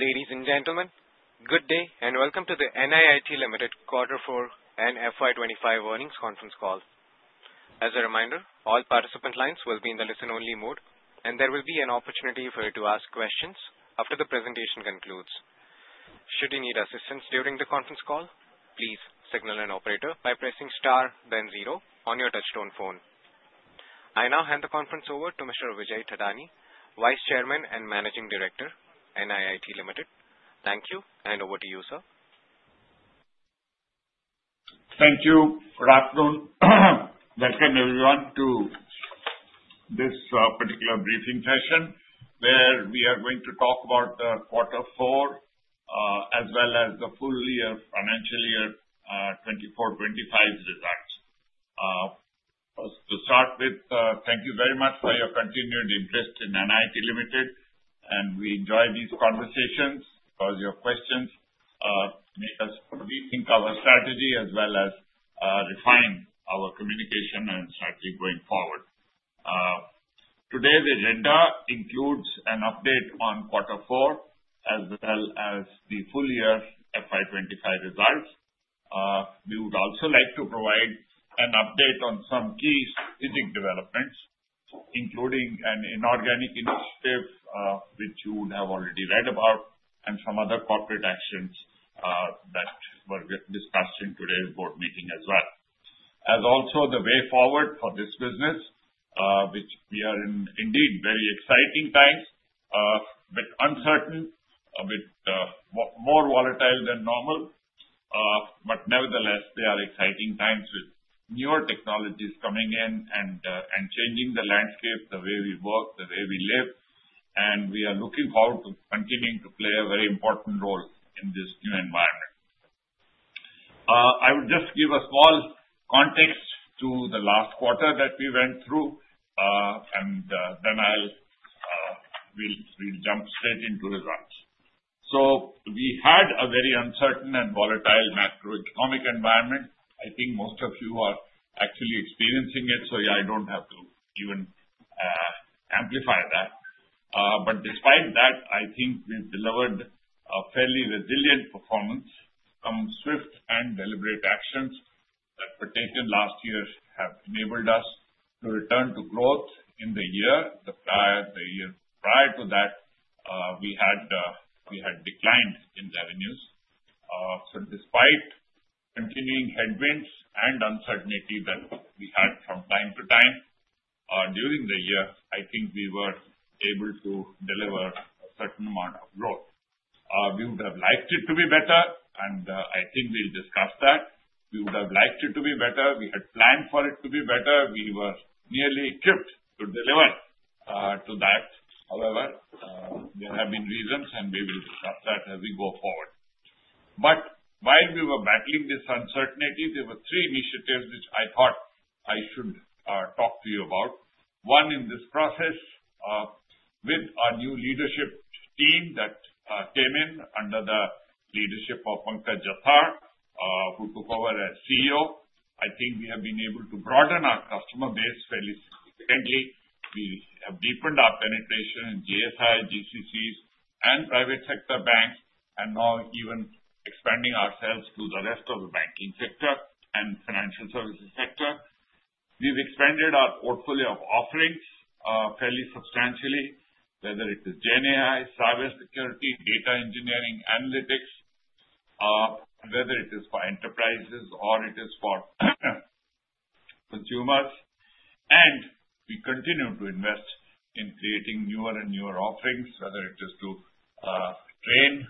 Ladies and gentlemen, good day and welcome to the NIIT Limited Quarter 4 and FY 2025 Earnings Conference Call. As a reminder, all participant lines will be in the listen-only mode, and there will be an opportunity for you to ask questions after the presentation concludes. Should you need assistance during the conference call, please signal an operator by pressing star then zero on your touchstone phone. I now hand the conference over to Mr. Vijay Thadani, Vice Chairman and Managing Director, NIIT Limited. Thank you, and over to you, sir. Thank you. Good afternoon. Welcome everyone to this particular briefing session where we are going to talk about the Quarter 4 as well as the full financial year 2024-2025 results. To start with, thank you very much for your continued interest in NIIT Limited, and we enjoy these conversations because your questions make us rethink our strategy as well as refine our communication and strategy going forward. Today's agenda includes an update on Quarter 4 as well as the full year FY 2025 results. We would also like to provide an update on some key strategic developments, including an inorganic initiative which you would have already read about, and some other corporate actions that were discussed in today's board meeting as well. As also the way forward for this business, which we are in indeed very exciting times, but uncertain, a bit more volatile than normal. Nevertheless, they are exciting times with newer technologies coming in and changing the landscape, the way we work, the way we live. We are looking forward to continuing to play a very important role in this new environment. I would just give a small context to the last quarter that we went through, and then we'll jump straight into results. We had a very uncertain and volatile macroeconomic environment. I think most of you are actually experiencing it, so I do not have to even amplify that. Despite that, I think we've delivered a fairly resilient performance from swift and deliberate actions that were taken last year that have enabled us to return to growth. In the year prior to that, we had declined in revenues. Despite continuing headwinds and uncertainty that we had from time to time during the year, I think we were able to deliver a certain amount of growth. We would have liked it to be better, and I think we'll discuss that. We would have liked it to be better. We had planned for it to be better. We were nearly equipped to deliver to that. However, there have been reasons, and we will discuss that as we go forward. While we were battling this uncertainty, there were three initiatives which I thought I should talk to you about. One, in this process, with our new leadership team that came in under the leadership of Pankaj Jathar, who took over as CEO, I think we have been able to broaden our customer base fairly significantly. We have deepened our penetration in GSI, GCCs, and private sector banks, and now even expanding ourselves to the rest of the banking sector and financial services sector. We have expanded our portfolio of offerings fairly substantially, whether it is GenAI, cybersecurity, data engineering, analytics, whether it is for enterprises or it is for consumers. We continue to invest in creating newer and newer offerings, whether it is to train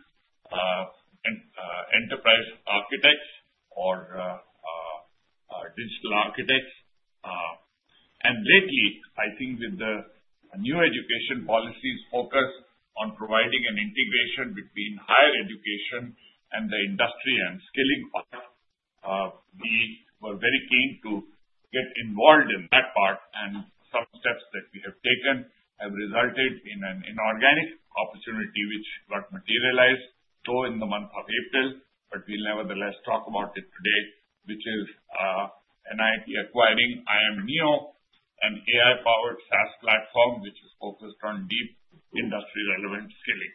enterprise architects or digital architects. Lately, I think with the new education policies focused on providing an integration between higher education and the industry and skilling part, we were very keen to get involved in that part. Some steps that we have taken have resulted in an inorganic opportunity which got materialized in the month of April, but we'll nevertheless talk about it today, which is NIIT acquiring iamneo, an AI-powered SaaS platform which is focused on deep industry-relevant skilling.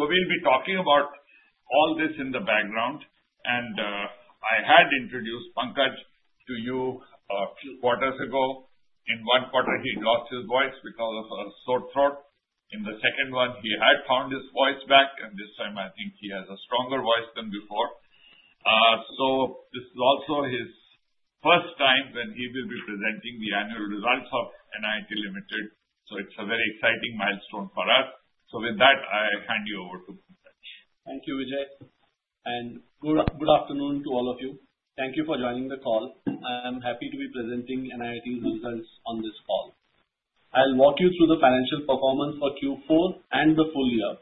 We'll be talking about all this in the background. I had introduced Pankaj to you a few quarters ago. In one quarter, he lost his voice because of a sore throat. In the second one, he had found his voice back, and this time I think he has a stronger voice than before. This is also his first time when he will be presenting the annual results of NIIT Limited. It's a very exciting milestone for us. With that, I hand you over to Pankaj. Thank you, Vijay. Good afternoon to all of you. Thank you for joining the call. I'm happy to be presenting NIIT's results on this call. I'll walk you through the financial performance for Q4 and the full year,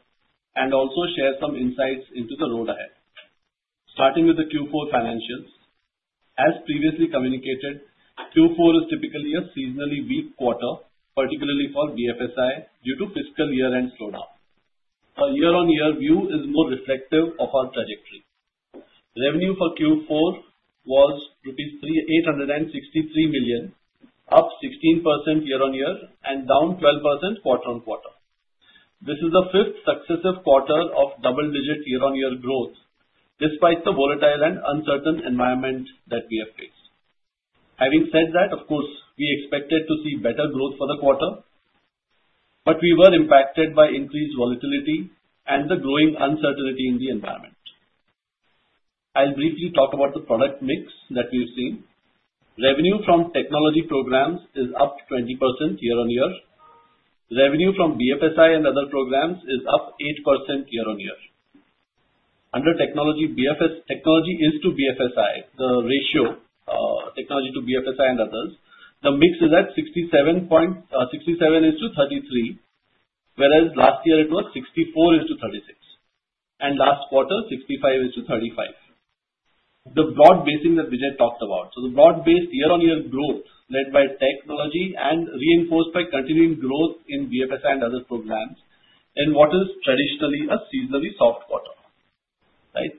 and also share some insights into the road ahead. Starting with the Q4 financials, as previously communicated, Q4 is typically a seasonally weak quarter, particularly for BFSI due to fiscal year-end slowdown. A year-on-year view is more reflective of our trajectory. Revenue for Q4 was rupees 863 million, up 16% year-on-year and down 12% quarter-on-quarter. This is the fifth successive quarter of double-digit year-on-year growth, despite the volatile and uncertain environment that we have faced. Having said that, of course, we expected to see better growth for the quarter, but we were impacted by increased volatility and the growing uncertainty in the environment. I'll briefly talk about the product mix that we've seen. Revenue from technology programs is up 20% year-on-year. Revenue from BFSI and other programs is up 8% year-on-year. Under technology is to BFSI, the ratio technology to BFSI and others, the mix is at 67:33, whereas last year it was 64:36, and last quarter 65:35. The broad basing that Vijay talked about, so the broad-based year-on-year growth led by technology and reinforced by continuing growth in BFSI and other programs in what is traditionally a seasonally soft quarter.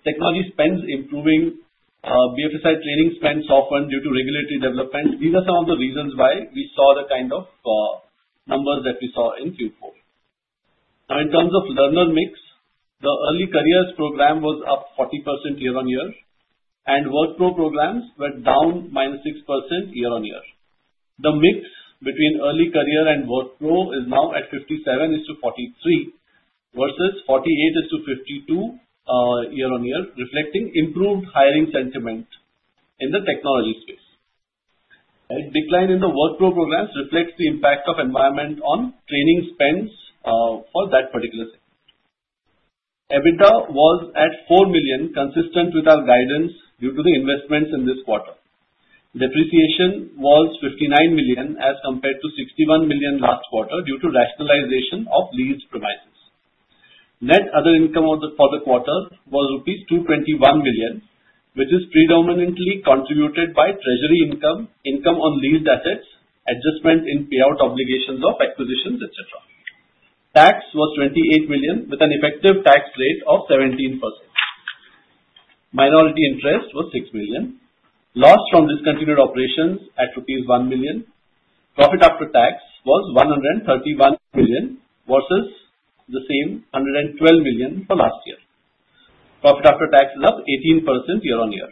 Technology spends improving, BFSI training spends softened due to regulatory development. These are some of the reasons why we saw the kind of numbers that we saw in Q4. Now, in terms of learner mix, the early careers program was up 40% year-on-year, and work pro programs were down -6% year-on-year. The mix between early career and work pro is now at 57:43 versus 48:52 year-on-year, reflecting improved hiring sentiment in the technology space. Decline in the work pro programs reflects the impact of environment on training spends for that particular segment. EBITDA was at 4 million, consistent with our guidance due to the investments in this quarter. Depreciation was 59 million as compared to 61 million last quarter due to rationalization of lease promises. Net other income for the quarter was rupees 221 million, which is predominantly contributed by treasury income, income on leased assets, adjustment in payout obligations of acquisitions, etc. Tax was 28 million, with an effective tax rate of 17%. Minority interest was 6 million. Loss from discontinued operations at rupees 1 million. Profit after tax was 131 million versus the same 112 million for last year. Profit after tax is up 18% year-on-year.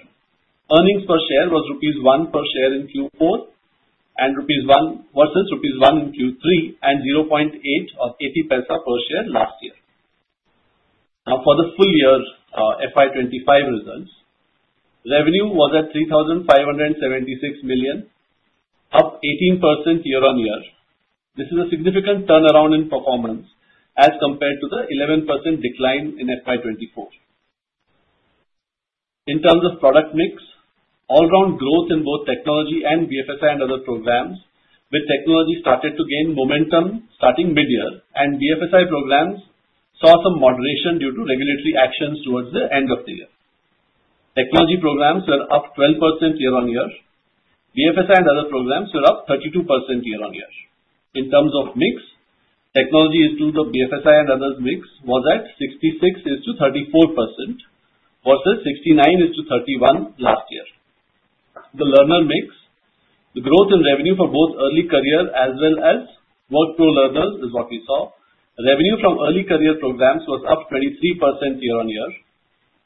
Earnings per share was rupees 1 per share in Q4 and rupees 1 versus rupees 1 in Q3 and 0.80 or 80 paise per share last year. Now, for the full year FY 2025 results, revenue was at 3,576 million, up 18% year-on-year. This is a significant turnaround in performance as compared to the 11% decline in FY 2024. In terms of product mix, all-round growth in both technology and BFSI and other programs, with technology starting to gain momentum starting mid-year, and BFSI programs saw some moderation due to regulatory actions towards the end of the year. Technology programs were up 12% year-on-year. BFSI and other programs were up 32% year-on-year. In terms of mix, technology is to the BFSI and others mix was at 66:34% versus 69:31% last year. The learner mix, the growth in revenue for both early career as well as work pro learners is what we saw. Revenue from early career programs was up 23% year-on-year,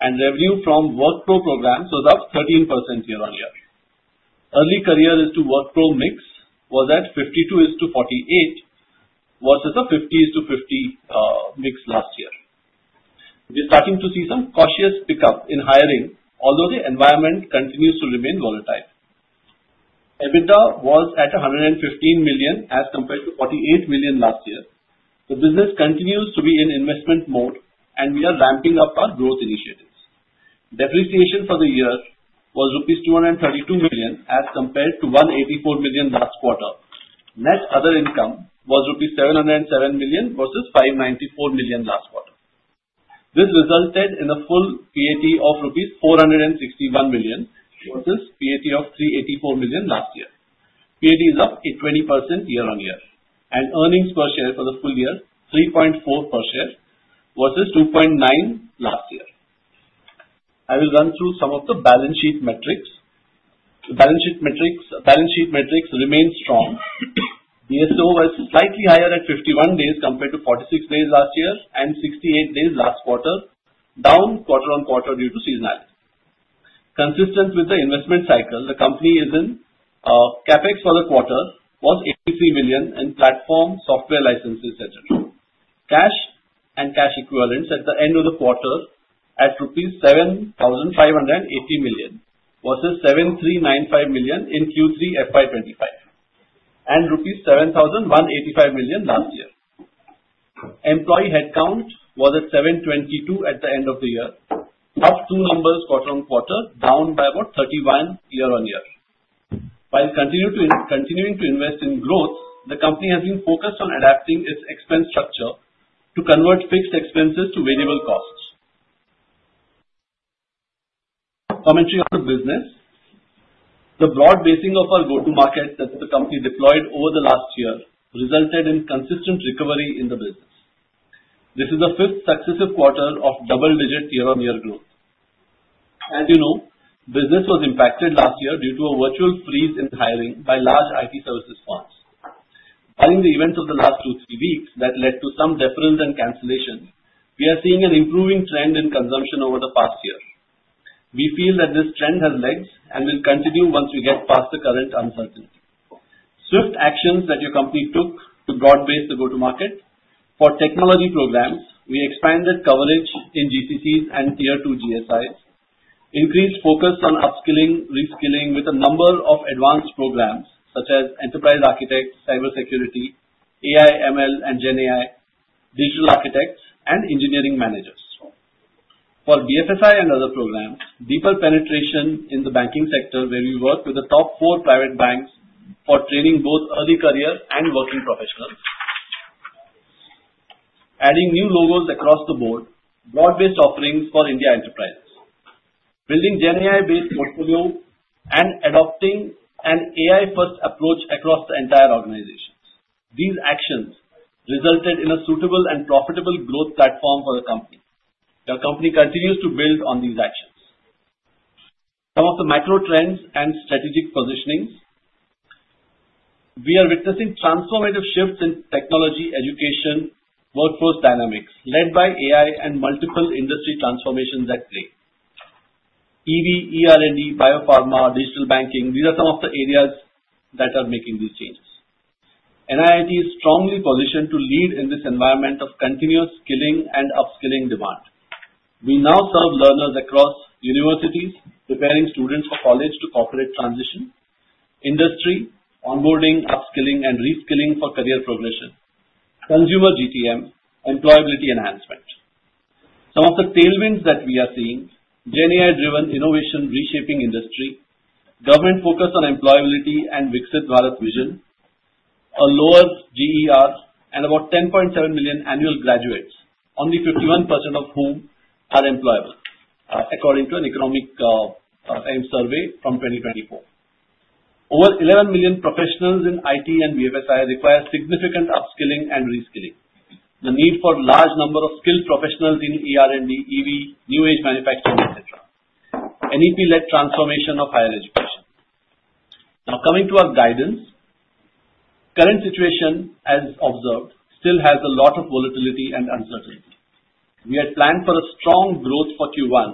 and revenue from work pro programs was up 13% year-on-year. Early career is to work pro mix was at 52:48 versus a 50:50 mix last year. We're starting to see some cautious pickup in hiring, although the environment continues to remain volatile. EBITDA was at 115 million as compared to 48 million last year. The business continues to be in investment mode, and we are ramping up our growth initiatives. Depreciation for the year was rupees 232 million as compared to 184 million last quarter. Net other income was rupees 707 million versus 594 million last quarter. This resulted in a full PAT of rupees 461 million versus PAT of 384 million last year. PAT is up 20% year-on-year, and earnings per share for the full year, 3.4 per share versus 2.9 last year. I will run through some of the balance sheet metrics. The balance sheet metrics remain strong. BSO was slightly higher at 51 days compared to 46 days last year and 68 days last quarter, down quarter-on-quarter due to seasonality. Consistent with the investment cycle, the company is in CapEx for the quarter was 83 million in platform, software licenses, etc. Cash and cash equivalents at the end of the quarter at rupees 7,580 million versus 7,395 million in Q3 FY 2025 and rupees 7,185 million last year. Employee headcount was at 722 at the end of the year, up two numbers quarter-on-quarter, down by about 31 year-on-year. While continuing to invest in growth, the company has been focused on adapting its expense structure to convert fixed expenses to variable costs. Commentary on the business, the broad basing of our go-to market that the company deployed over the last year resulted in consistent recovery in the business. This is the fifth successive quarter of double-digit year-on-year growth. As you know, business was impacted last year due to a virtual freeze in hiring by large IT services firms. Following the events of the last two to three weeks that led to some deference and cancellation, we are seeing an improving trend in consumption over the past year. We feel that this trend has legs and will continue once we get past the current uncertainty. Swift actions that your company took to broad base the go-to market. For technology programs, we expanded coverage in GCCs and Tier 2 GSIs. Increased focus on upskilling, reskilling with a number of advanced programs such as enterprise architect, cybersecurity, AI/ML, and GenAI, digital architects, and engineering managers. For BFSI and other programs, deeper penetration in the banking sector where we work with the top four private banks for training both early career and working professionals. Adding new logos across the board, broad-based offerings for India Enterprises. Building GenAI-based portfolio and adopting an AI-first approach across the entire organization. These actions resulted in a suitable and profitable growth platform for the company. Your company continues to build on these actions. Some of the macro trends and strategic positionings, we are witnessing transformative shifts in technology, education, workforce dynamics led by AI and multiple industry transformations at play. EV, ER&D, biopharma, digital banking, these are some of the areas that are making these changes. NIIT is strongly positioned to lead in this environment of continuous skilling and upskilling demand. We now serve learners across universities, preparing students for college to corporate transition, industry, onboarding, upskilling, and reskilling for career progression, consumer GTM, employability enhancement. Some of the tailwinds that we are seeing, GenAI-driven innovation reshaping industry, government focus on employability and Viksit Bharat vision, a lower GER, and about 10.7 million annual graduates, only 51% of whom are employable, according to an economic survey from 2024. Over 11 million professionals in IT and BFSI require significant upskilling and reskilling. The need for a large number of skilled professionals in ER&D, EV, new age manufacturing, etc. NEP-led transformation of higher education. Now coming to our guidance, current situation as observed still has a lot of volatility and uncertainty. We had planned for a strong growth for Q1,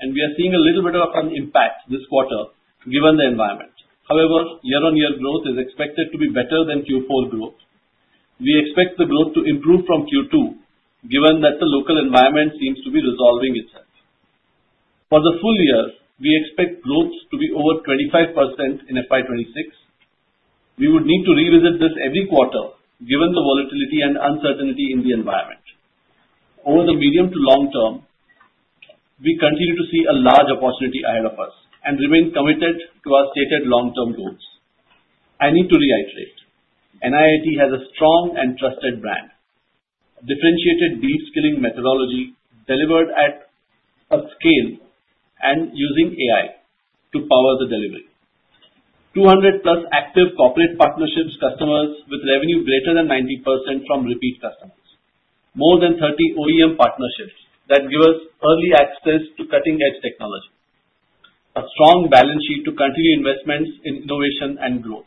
and we are seeing a little bit of an impact this quarter given the environment. However, year-on-year growth is expected to be better than Q4 growth. We expect the growth to improve from Q2 given that the local environment seems to be resolving itself. For the full year, we expect growth to be over 25% in FY 2026. We would need to revisit this every quarter given the volatility and uncertainty in the environment. Over the medium to long term, we continue to see a large opportunity ahead of us and remain committed to our stated long-term goals. I need to reiterate, NIIT has a strong and trusted brand, differentiated deep skilling methodology delivered at a scale and using AI to power the delivery. 200+ active corporate partnerships customers with revenue greater than 90% from repeat customers. More than 30 OEM partnerships that give us early access to cutting-edge technology. A strong balance sheet to continue investments in innovation and growth.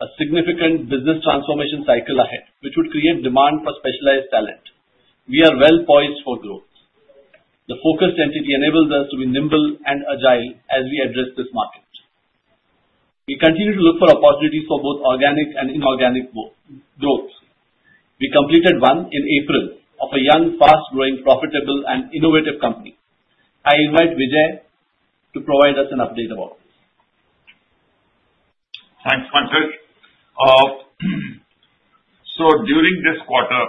A significant business transformation cycle ahead, which would create demand for specialized talent. We are well poised for growth. The focused entity enables us to be nimble and agile as we address this market. We continue to look for opportunities for both organic and inorganic growth. We completed one in April of a young, fast-growing, profitable, and innovative company. I invite Vijay to provide us an update about this. Thanks, Pankaj. During this quarter,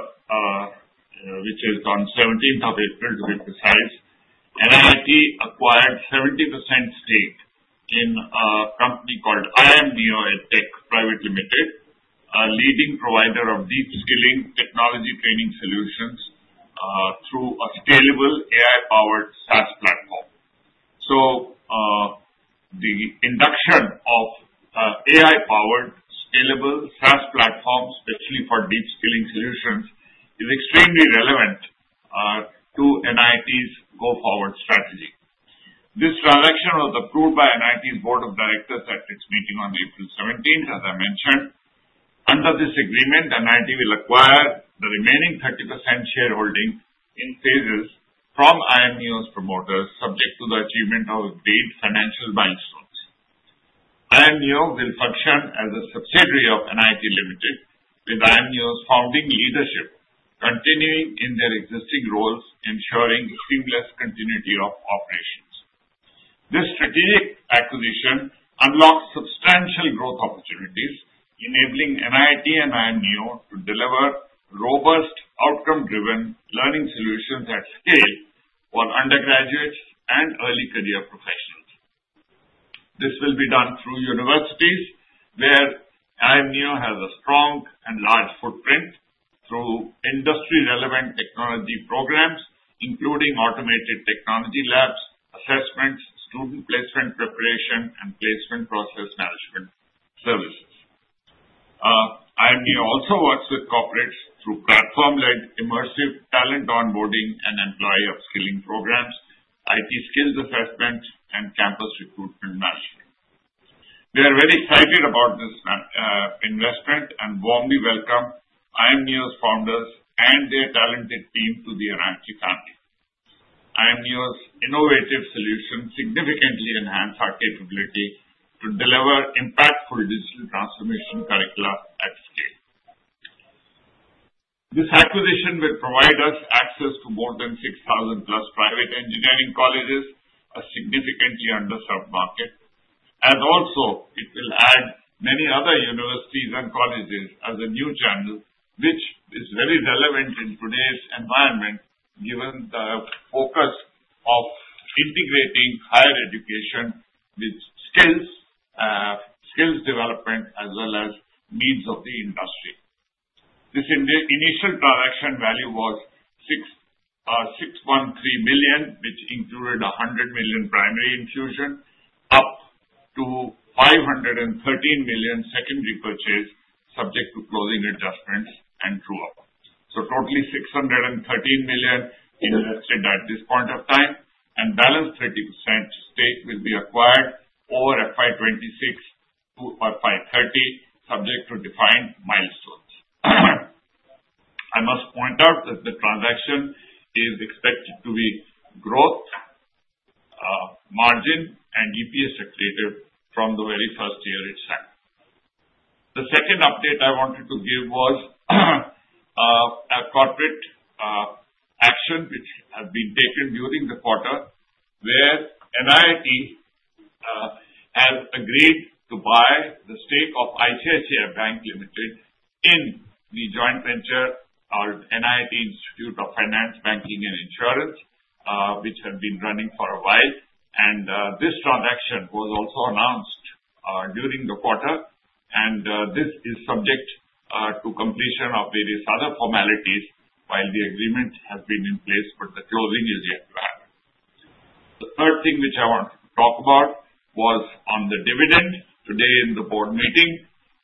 which is on 17th of April to be precise, NIIT acquired 70% stake in a company called iamneo EdTech Private Limited, a leading provider of deep skilling technology training solutions through a scalable AI-powered SaaS platform. The induction of AI-powered scalable SaaS platforms, especially for deep skilling solutions, is extremely relevant to NIIT's go-forward strategy. This transaction was approved by NIIT's Board of Directors at its meeting on April 17th, as I mentioned. Under this agreement, NIIT will acquire the remaining 30% shareholding in phases from iamneo's promoters, subject to the achievement of agreed financial milestones. Iamneo will function as a subsidiary of NIIT Limited, with iamneo's founding leadership continuing in their existing roles, ensuring seamless continuity of operations. This strategic acquisition unlocks substantial growth opportunities, enabling NIIT and iamneo to deliver robust outcome-driven learning solutions at scale for undergraduates and early career professionals. This will be done through universities, where iamneo has a strong and large footprint through industry-relevant technology programs, including automated technology labs, assessments, student placement preparation, and placement process management services. Iamneo also works with corporates through platform-led immersive talent onboarding and employee upskilling programs, IT skills assessment, and campus recruitment management. We are very excited about this investment and warmly welcome iamneo's founders and their talented team to the anarchy family. Iamneo's innovative solutions significantly enhance our capability to deliver impactful digital transformation curricula at scale. This acquisition will provide us access to more than 6,000+ private engineering colleges, a significantly underserved market, as also it will add many other universities and colleges as a new channel, which is very relevant in today's environment given the focus of integrating higher education with skills development as well as needs of the industry. This initial transaction value was 613 million, which included 100 million primary infusion, up to 513 million secondary purchase, subject to closing adjustments and draw-up. Totally 613 million invested at this point of time, and balance 30% stake will be acquired over FY 2026 to FY 2030, subject to defined milestones. I must point out that the transaction is expected to be growth, margin, and EPS accretive from the very first year it's had. The second update I wanted to give was a corporate action which has been taken during the quarter, where NIIT has agreed to buy the stake of ICICI Bank Limited in the joint venture called NIIT Institute of Finance, Banking, and Insurance, which had been running for a while. This transaction was also announced during the quarter, and this is subject to completion of various other formalities while the agreement has been in place, but the closing is yet to happen. The third thing which I wanted to talk about was on the dividend. Today in the board meeting,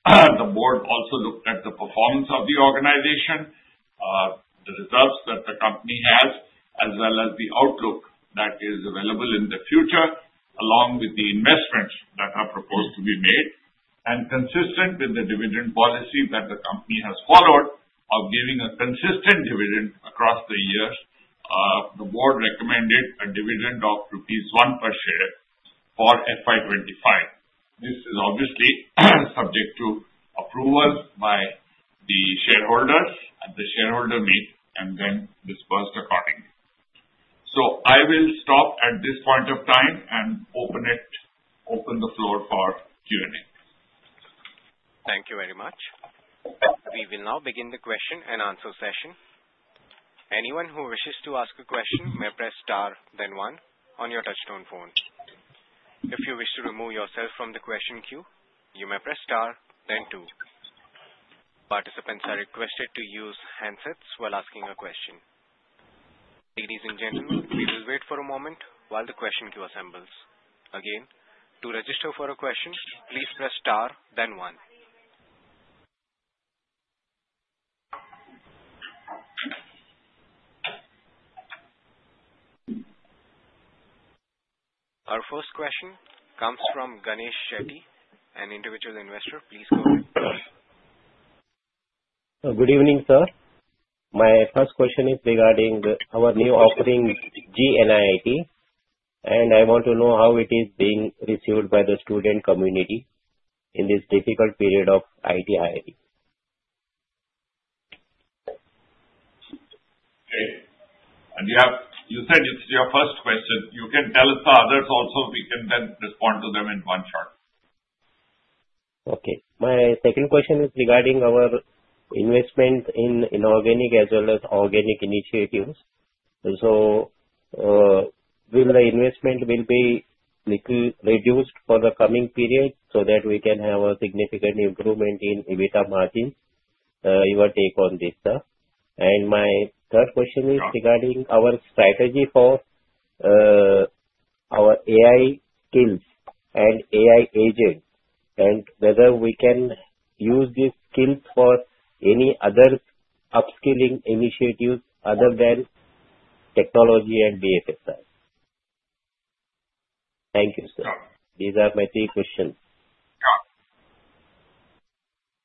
the board also looked at the performance of the organization, the results that the company has, as well as the outlook that is available in the future, along with the investments that are proposed to be made. Consistent with the dividend policy that the company has followed of giving a consistent dividend across the years, the board recommended a dividend of rupees 1 per share for FY 2025. This is obviously subject to approval by the shareholders at the shareholder meet and then dispersed accordingly. I will stop at this point of time and open the floor for Q&A. Thank you very much. We will now begin the question and answer session. Anyone who wishes to ask a question may press star, then one on your touchstone phone. If you wish to remove yourself from the question queue, you may press star, then two. Participants are requested to use handsets while asking a question. Ladies and gentlemen, we will wait for a moment while the question queue assembles. Again, to register for a question, please press star, then one. Our first question comes from Ganesh Shetty, an individual investor. Please go ahead. Good evening, sir. My first question is regarding our new offering, gNIIT, and I want to know how it is being received by the student community in this difficult period of IT. You said it's your first question. You can tell us the others also. We can then respond to them in one shot. Okay. My second question is regarding our investment in inorganic as well as organic initiatives. So will the investment be reduced for the coming period so that we can have a significant improvement in EBITDA margins? Your take on this, sir. And my third question is regarding our strategy for our AI skills and AI agent and whether we can use these skills for any other upskilling initiatives other than technology and BFSI. Thank you, sir. These are my three questions.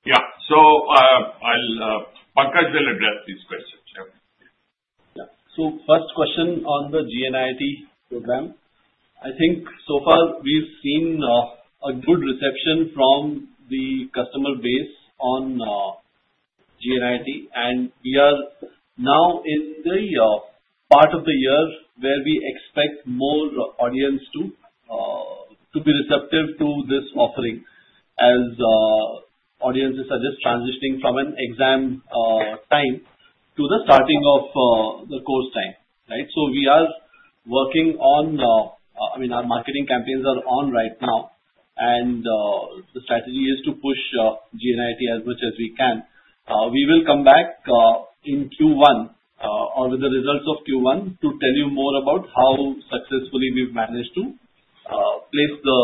Yeah. Pankaj will address these questions. Yeah. First question on the gNIIT program. I think so far we've seen a good reception from the customer base on gNIIT, and we are now in the part of the year where we expect more audience to be receptive to this offering as audiences are just transitioning from an exam time to the starting of the course time, right? We are working on, I mean, our marketing campaigns are on right now, and the strategy is to push gNIIT as much as we can. We will come back in Q1 or with the results of Q1 to tell you more about how successfully we've managed to place the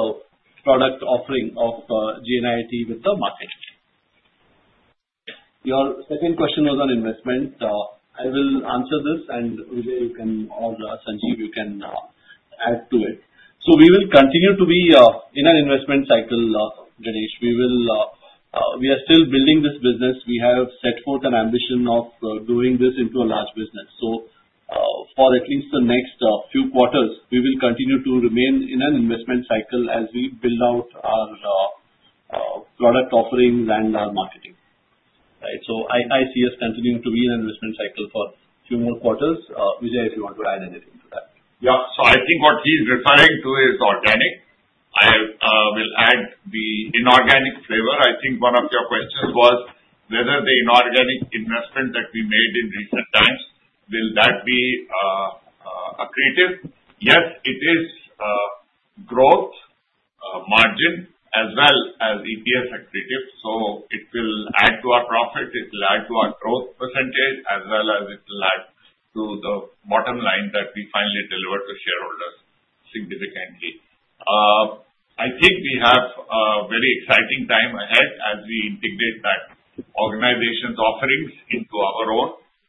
product offering of gNIIT with the market. Your second question was on investment. I will answer this, and Vijay, you can or Sanjeev, you can add to it. We will continue to be in an investment cycle, Ganesh. We are still building this business. We have set forth an ambition of doing this into a large business. For at least the next few quarters, we will continue to remain in an investment cycle as we build out our product offerings and our marketing, right? I see us continuing to be in an investment cycle for a few more quarters. Vijay, if you want to add anything to that. Yeah. I think what he's referring to is organic. I will add the inorganic flavor. I think one of your questions was whether the inorganic investment that we made in recent times, will that be accretive? Yes, it is growth, margin, as well as EPS accretive. It will add to our profit. It will add to our growth percentage, as well as it will add to the bottom line that we finally deliver to shareholders significantly. I think we have a very exciting time ahead as we integrate that organization's offerings into our own,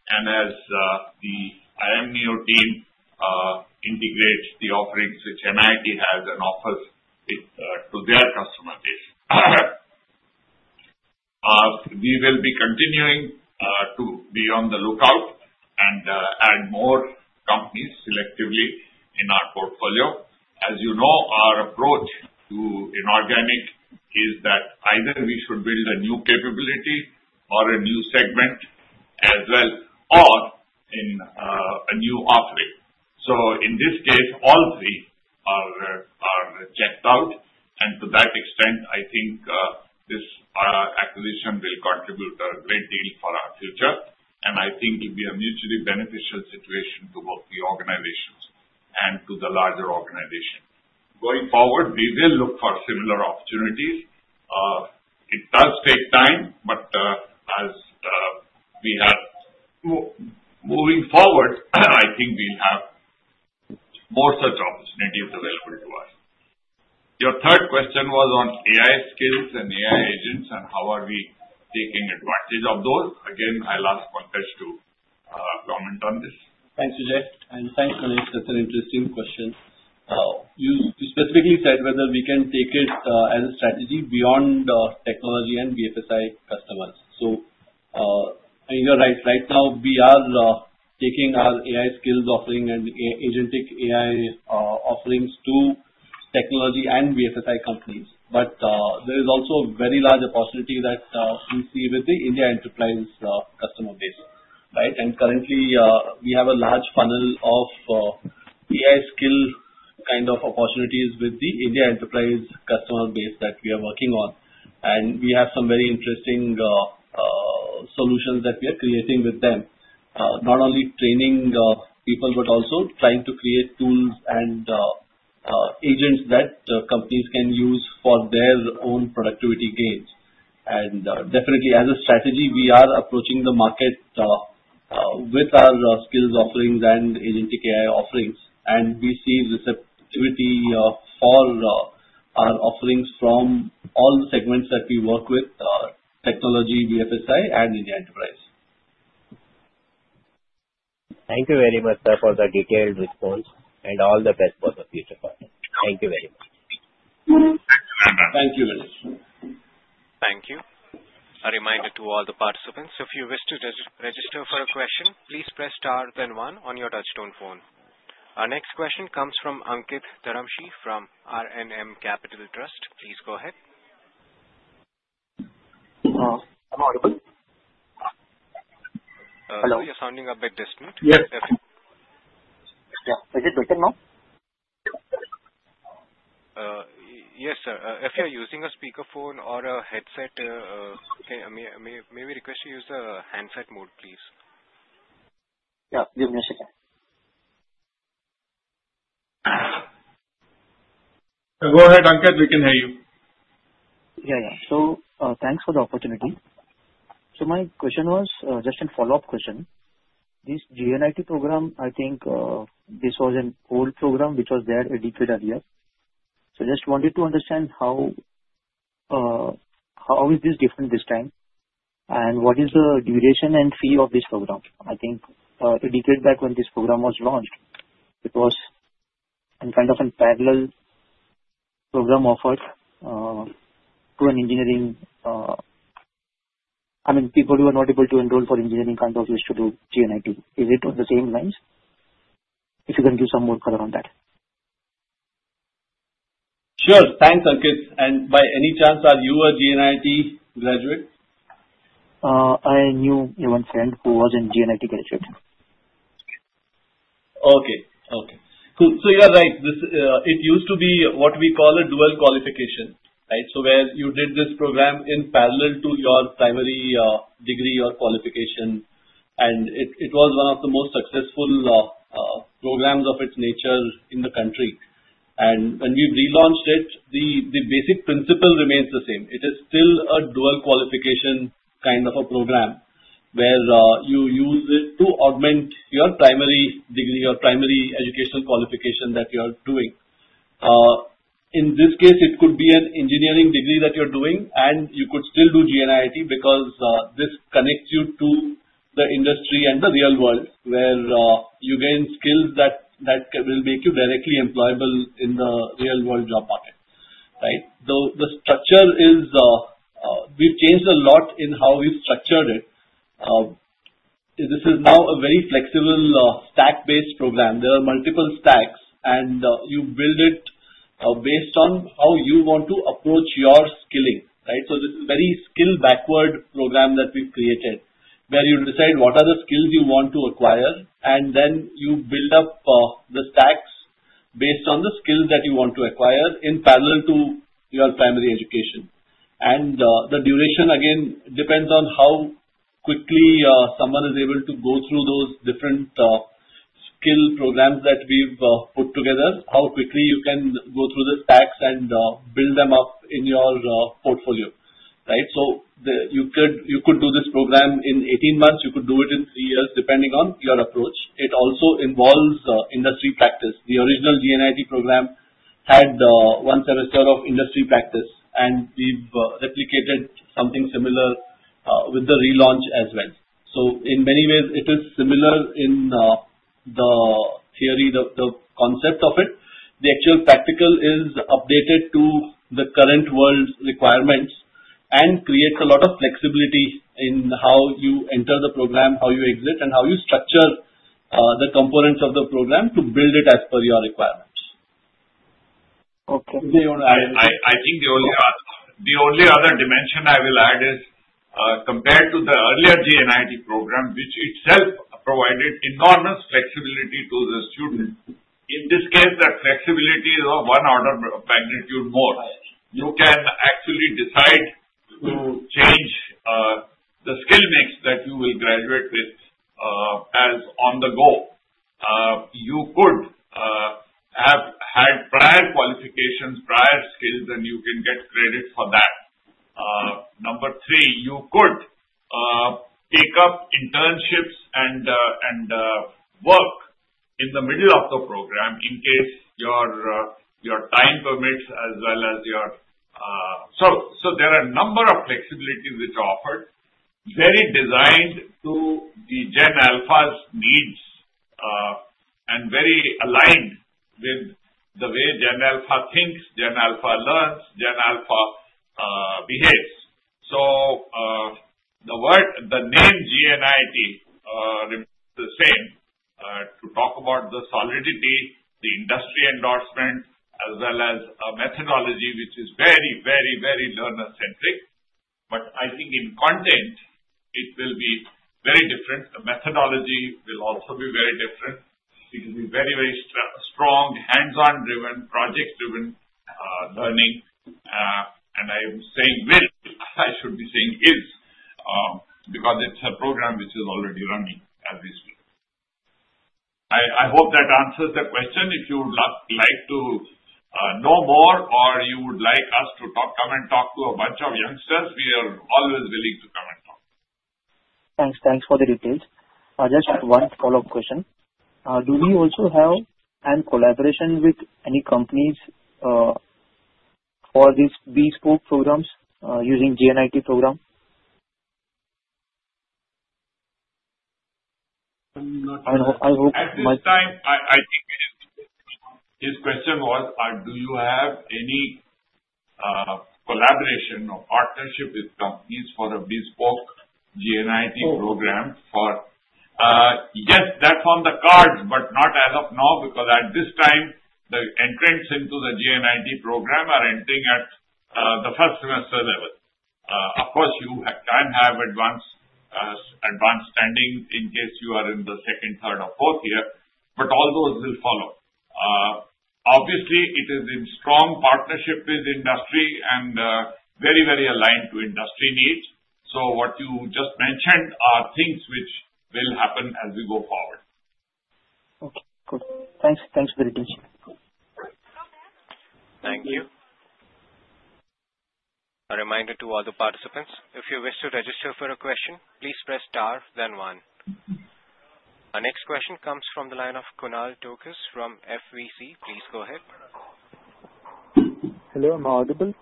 and as the iameo team integrates the offerings which NIIT has and offers to their customer base. We will be continuing to be on the lookout and add more companies selectively in our portfolio. As you know, our approach to inorganic is that either we should build a new capability or a new segment as well, or a new offering. In this case, all three are checked out, and to that extent, I think this acquisition will contribute a great deal for our future, and I think it will be a mutually beneficial situation to both the organizations and to the larger organization. Going forward, we will look for similar opportunities. It does take time, but as we are moving forward, I think we'll have more such opportunities available to us. Your third question was on AI skills and AI agents and how are we taking advantage of those. Again, I'll ask Pankaj to comment on this. Thanks, Vijay. And thanks, Ganesh. That's an interesting question. You specifically said whether we can take it as a strategy beyond technology and BFSI customers. You're right. Right now, we are taking our AI skills offering and agentic AI offerings to technology and BFSI companies, but there is also a very large opportunity that we see with the India Enterprise customer base, right? Currently, we have a large funnel of AI skill kind of opportunities with the India Enterprise customer base that we are working on, and we have some very interesting solutions that we are creating with them, not only training people, but also trying to create tools and agents that companies can use for their own productivity gains. Definitely, as a strategy, we are approaching the market with our skills offerings and agentic AI offerings, and we see receptivity for our offerings from all the segments that we work with: technology, BFSI, and India Enterprise. Thank you very much for the detailed response, and all the best for the future. Thank you very much. Thank you, Ganesh. Thank you. A reminder to all the participants, if you wish to register for a question, please press star, then one on your touchstone phone. Our next question comes from Ankit Dharamshi from RNM Capital Trust. Please go ahead. I'm audible. Hello? You're sounding a bit distant. Yes. Is it different now? Yes, sir. If you're using a speakerphone or a headset, may we request you use the handset mode, please? Yeah. Give me a second. Go ahead, Ankit. We can hear you. Yeah. Yeah. So thanks for the opportunity. My question was just a follow-up question. This gNIIT program, I think this was an old program which was there a decade earlier. Just wanted to understand how is this different this time, and what is the duration and fee of this program? I think a decade back when this program was launched, it was kind of a parallel program offered to an engineering. I mean, people who are not able to enroll for engineering kind of used to do gNIIT. Is it on the same lines? If you can give some more color on that. Sure. Thanks, Ankit. And by any chance, are you a gNIIT graduate? I knew one friend who was a gNIIT graduate. Okay. Okay. So you're right. It used to be what we call a dual qualification, right? So where you did this program in parallel to your primary degree or qualification, and it was one of the most successful programs of its nature in the country. When we relaunched it, the basic principle remains the same. It is still a dual qualification kind of a program where you use it to augment your primary degree or primary educational qualification that you're doing. In this case, it could be an engineering degree that you're doing, and you could still do gNIIT because this connects you to the industry and the real world where you gain skills that will make you directly employable in the real-world job market, right? The structure is we've changed a lot in how we've structured it. This is now a very flexible stack-based program. There are multiple stacks, and you build it based on how you want to approach your skilling, right? This is a very skill-backward program that we've created where you decide what are the skills you want to acquire, and then you build up the stacks based on the skills that you want to acquire in parallel to your primary education. The duration, again, depends on how quickly someone is able to go through those different skill programs that we've put together, how quickly you can go through the stacks and build them up in your portfolio, right? You could do this program in 18 months. You could do it in three years, depending on your approach. It also involves industry practice. The original gNIIT program had one semester of industry practice, and we've replicated something similar with the relaunch as well. In many ways, it is similar in the theory, the concept of it. The actual practical is updated to the current world's requirements and creates a lot of flexibility in how you enter the program, how you exit, and how you structure the components of the program to build it as per your requirements. Okay. I think the only other dimension I will add is compared to the earlier gNIIT program, which itself provided enormous flexibility to the student. In this case, that flexibility is of one order of magnitude more. You can actually decide to change the skill mix that you will graduate with as on the go. You could have had prior qualifications, prior skills, and you can get credit for that. Number three, you could take up internships and work in the middle of the program in case your time permits as well as your, so there are a number of flexibilities which are offered, very designed to the Gen Alpha's needs and very aligned with the way Gen Alpha thinks, Gen Alpha learns, Gen Alpha behaves. The name gNIIT remains the same to talk about the solidity, the industry endorsement, as well as a methodology which is very, very, very learner-centric. I think in content, it will be very different. The methodology will also be very different. It will be very, very strong, hands-on-driven, project-driven learning. I am saying will. I should be saying is because it's a program which is already running as we speak. I hope that answers the question. If you would like to know more or you would like us to come and talk to a bunch of youngsters, we are always willing to come and talk. Thanks. Thanks for the details. Just one follow-up question. Do we also have any collaboration with any companies for these bespoke programs using gNIIT program? I hope My time. I think his question was, do you have any collaboration or partnership with companies for a bespoke gNIIT program for? Yes, that's on the cards, but not as of now because at this time, the entrants into the gNIIT program are entering at the first semester level. Of course, you can have advanced standing in case you are in the second, third, or fourth year, but all those will follow. Obviously, it is in strong partnership with industry and very, very aligned to industry needs. So what you just mentioned are things which will happen as we go forward. Okay. Good. Thanks. Thanks very much. Thank you. A reminder to all the participants, if you wish to register for a question, please press star, then one. Our next question comes from the line of Kunal Tokas from FVC. Please go ahead. Hello. Am I audible?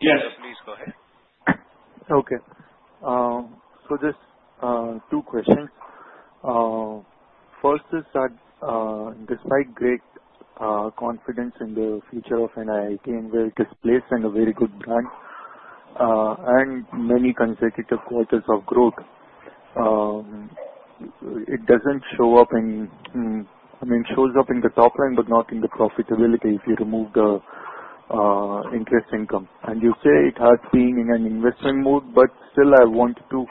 Yes. Please go ahead. Okay. So just two questions. First is that despite great confidence in the future of NIIT and very displaced and a very good brand and many consecutive quarters of growth, it doesn't show up in, I mean, shows up in the top line, but not in the profitability if you remove the interest income. And you say it has been in an investment mode, but still, I want to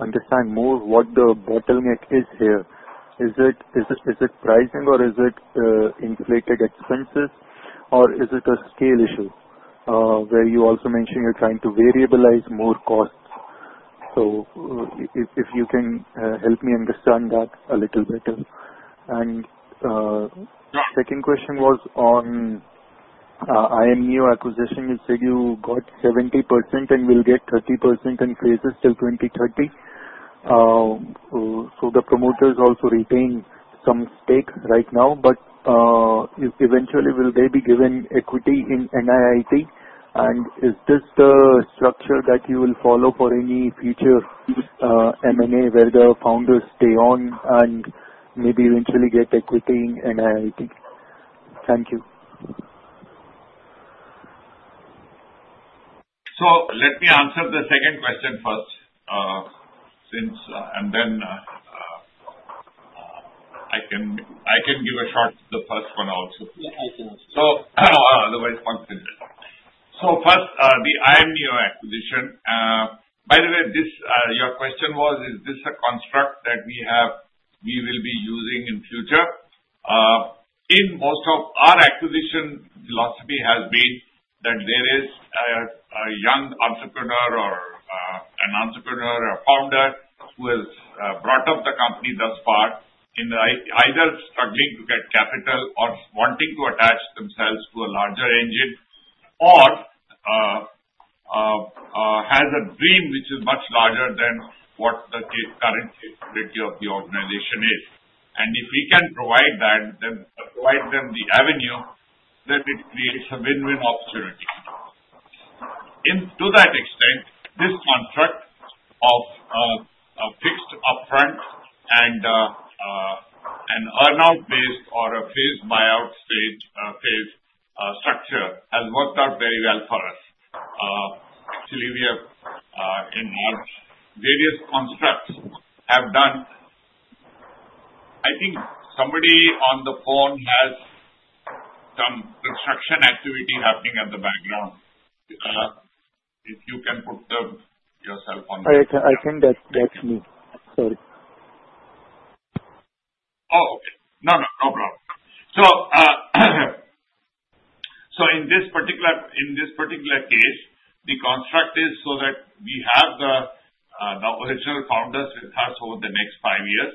understand more what the bottleneck is here. Is it pricing, or is it inflated expenses, or is it a scale issue where you also mentioned you're trying to variabilize more costs? If you can help me understand that a little better. My second question was on iamneo acquisition. You said you got 70% and will get 30% in phases till 2030. The promoters also retain some stake right now, but eventually, will they be given equity in NIIT? Is this the structure that you will follow for any future M&A where the founders stay on and maybe eventually get equity in NIIT? Thank you. Let me answer the second question first, and then I can give a shot to the first one also. Yeah. I can answer that. First, the iamneo acquisition. By the way, your question was, is this a construct that we will be using in future? In most of our acquisition philosophy, it has been that there is a young entrepreneur or an entrepreneur or founder who has brought up the company thus far in either struggling to get capital or wanting to attach themselves to a larger engine or has a dream which is much larger than what the current state of the organization is. If we can provide that, then provide them the avenue, then it creates a win-win opportunity. To that extent, this construct of a fixed upfront and an earn-out-based or a phased buyout phase structure has worked out very well for us. Actually, we have enhanced various constructs have done. I think somebody on the phone has some construction activity happening in the background. If you can put yourself on the line. I think that's me. Sorry. Oh, okay. No, no. No problem. In this particular case, the construct is so that we have the original founders with us over the next five years,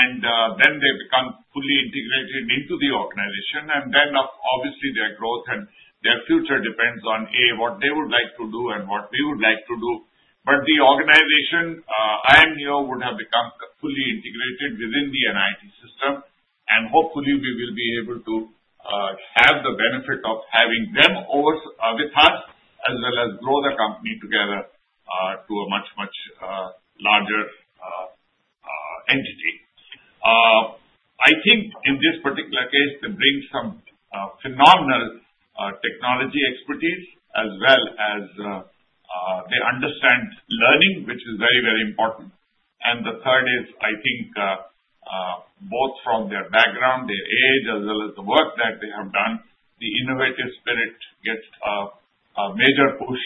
and then they become fully integrated into the organization. Obviously, their growth and their future depends on, A, what they would like to do and what we would like to do. The organization, iamneo, would have become fully integrated within the NIIT system, and hopefully, we will be able to have the benefit of having them with us as well as grow the company together to a much, much larger entity. I think in this particular case, they bring some phenomenal technology expertise as well as they understand learning, which is very, very important. The third is, I think, both from their background, their age, as well as the work that they have done, the innovative spirit gets a major push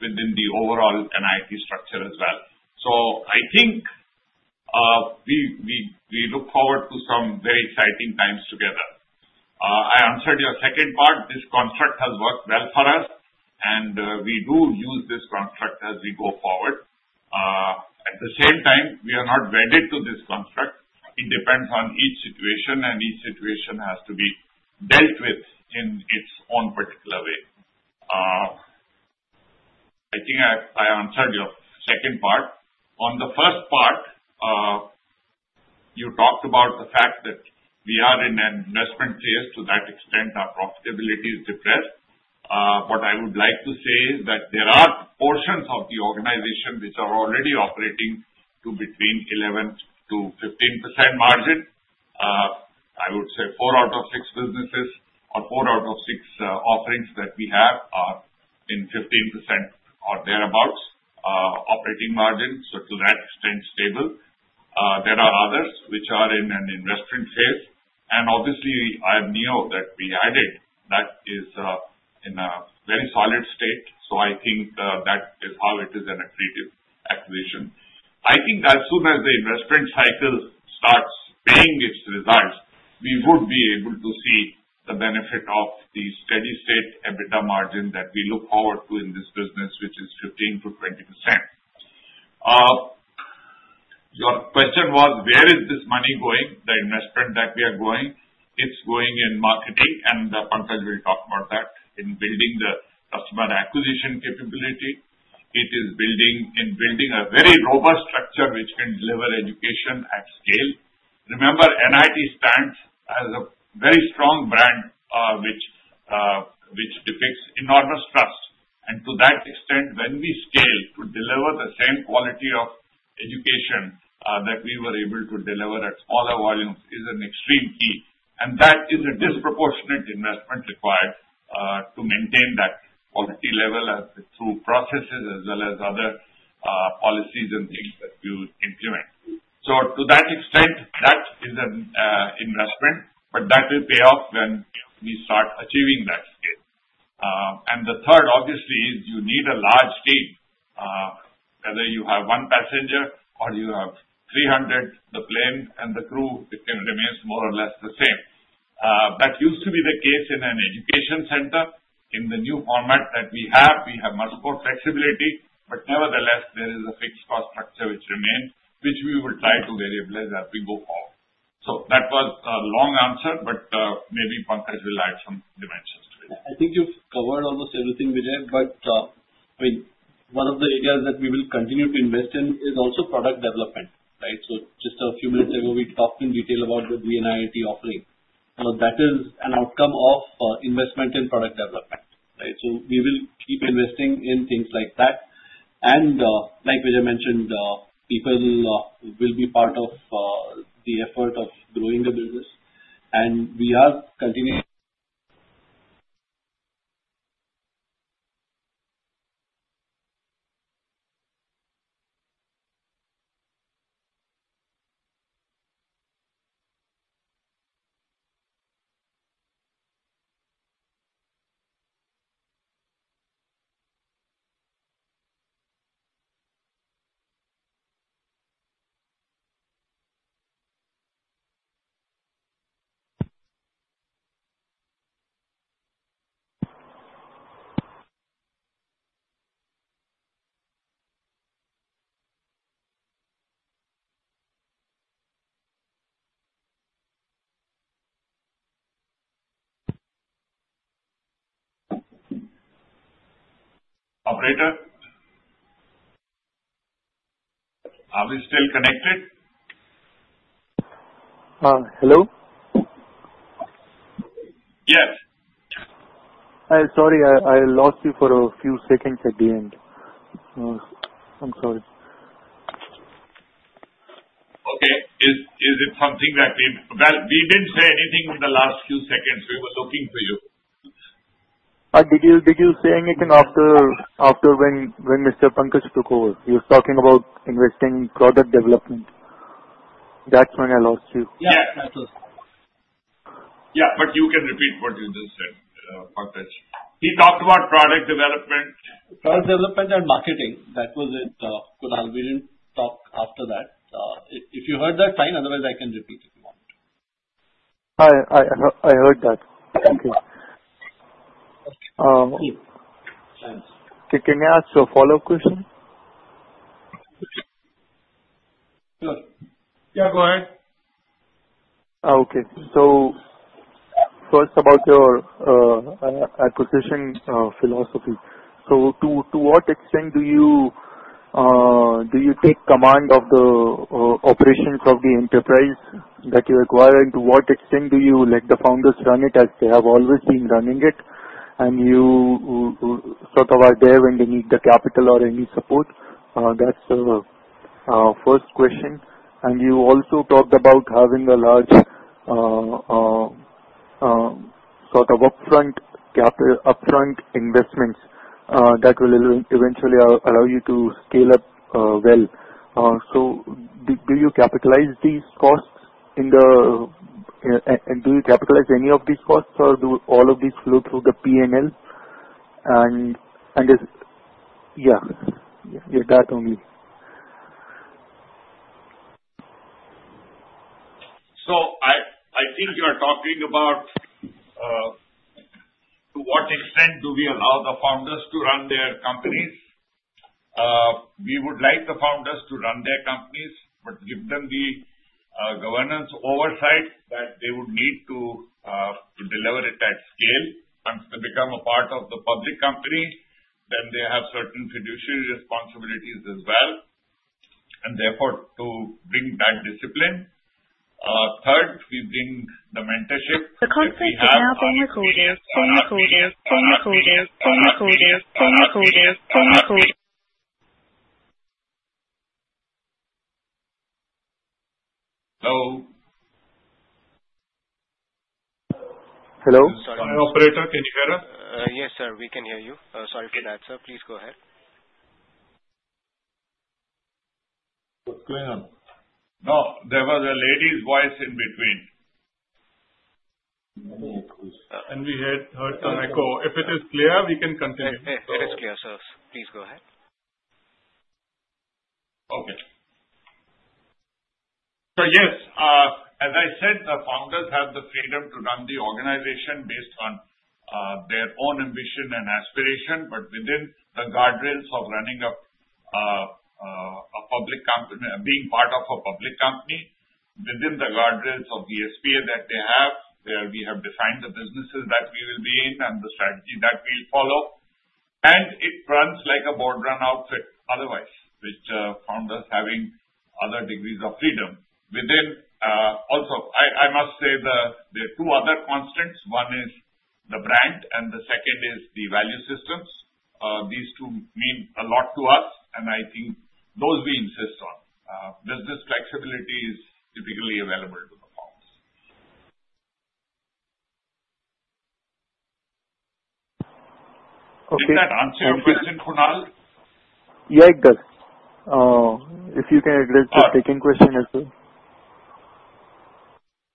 within the overall NIIT structure as well. I think we look forward to some very exciting times together. I answered your second part. This construct has worked well for us, and we do use this construct as we go forward. At the same time, we are not wedded to this construct. It depends on each situation, and each situation has to be dealt with in its own particular way. I think I answered your second part. On the first part, you talked about the fact that we are in an investment phase. To that extent, our profitability is depressed. What I would like to say is that there are portions of the organization which are already operating to between 11%-15% margin. I would say 4/6 businesses or 4/6 offerings that we have are in 15% or thereabouts operating margin. To that extent, stable. There are others which are in an investment phase. Obviously, iamneo, that we added, that is in a very solid state. I think that is how it is an accretive acquisition. I think as soon as the investment cycle starts paying its results, we would be able to see the benefit of the steady-state EBITDA margin that we look forward to in this business, which is 15%-20%. Your question was, where is this money going, the investment that we are going? It's going in marketing, and Pankaj will talk about that in building the customer acquisition capability. It is building a very robust structure which can deliver education at scale. Remember, NIIT stands as a very strong brand which depicts enormous trust. To that extent, when we scale to deliver the same quality of education that we were able to deliver at smaller volumes is an extreme key. That is a disproportionate investment required to maintain that quality level through processes as well as other policies and things that you implement. To that extent, that is an investment, but that will pay off when we start achieving that scale. The third, obviously, is you need a large team. Whether you have one passenger or you have 300, the plane and the crew, it remains more or less the same. That used to be the case in an education center. In the new format that we have, we have much more flexibility, but nevertheless, there is a fixed cost structure which remains, which we will try to variabilize as we go forward. That was a long answer, but maybe Pankaj will add some dimensions to it. I think you've covered almost everything, Vijay. I mean, one of the areas that we will continue to invest in is also product development, right? Just a few minutes ago, we talked in detail about the gNIIT offering. That is an outcome of investment in product development, right? We will keep investing in things like that. Like Vijay mentioned, people will be part of the effort of growing the business, and we are continuing to. Operator? Are we still connected? Hello? Yes. Hi. Sorry, I lost you for a few seconds at the end. I'm sorry. Okay. Is it something that we didn't say anything in the last few seconds? We were looking for you. Did you say anything after when Mr. Pankaj took over? He was talking about investing in product development. That's when I lost you. Yeah. That's us. Yeah. But you can repeat what you just said, Pankaj. He talked about product development. Product development and marketing. That was it. Kunal, we didn't talk after that. If you heard that, fine. Otherwise, I can repeat if you want. I heard that. Thank you. Can I ask a follow-up question? Sure. Yeah. Go ahead. Okay. So first, about your acquisition philosophy. To what extent do you take command of the operations of the enterprise that you acquire, and to what extent do you let the founders run it as they have always been running it, and you sort of are there when they need the capital or any support? That is the first question. You also talked about having a large sort of upfront investments that will eventually allow you to scale up well. Do you capitalize these costs, and do you capitalize any of these costs, or do all of these flow through the P&L? Yeah, that only. I think you are talking about to what extent do we allow the founders to run their companies. We would like the founders to run their companies, but give them the governance oversight that they would need to deliver it at scale. Once they become a part of the public company, then they have certain fiduciary responsibilities as well. Therefore, to bring that discipline. Third, we bring the mentorship. The conference is now being recorded. Hello. I'm sorry, Operator. Can you hear us? Yes, sir. We can hear you. Sorry for that, sir. Please go ahead. What's going on? No, there was a lady's voice in between. We heard some echo. If it is clear, we can continue. It is clear, sir. Please go ahead. Okay. Yes, as I said, the founders have the freedom to run the organization based on their own ambition and aspiration, but within the guardrails of running a public company, being part of a public company, within the guardrails of the SPA that they have, where we have defined the businesses that we will be in and the strategy that we'll follow. It runs like a board-run outfit otherwise, with founders having other degrees of freedom. Also, I must say there are two other constants. One is the brand, and the second is the value systems. These two mean a lot to us, and I think those we insist on. Business flexibility is typically available to the founders. Did that answer your question, Kunal? Yeah. It does. If you can address the second question as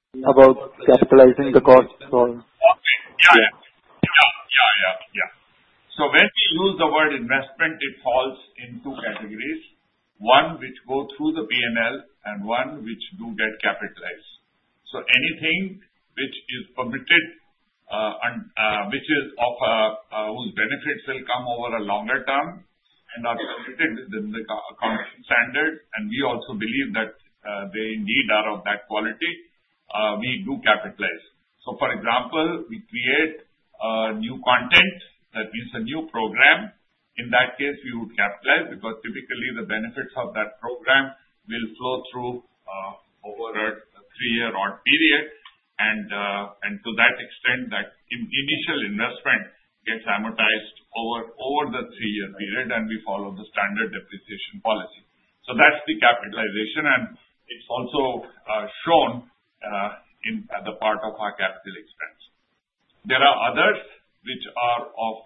well about capitalizing the cost for. Yeah. Yeah. Yeah. Yeah. When we use the word investment, it falls into categories. One which go through the P&L and one which do get capitalized. Anything which is permitted, which is of whose benefits will come over a longer term and are permitted within the accounting standards, and we also believe that they indeed are of that quality, we do capitalize. For example, we create new content. That means a new program. In that case, we would capitalize because typically the benefits of that program will flow through over a three-year-odd period. To that extent, that initial investment gets amortized over the three-year period, and we follow the standard depreciation policy. That is the capitalization, and it is also shown in the part of our capital expense. There are others which are of